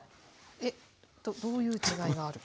えっどういう違いがあるか。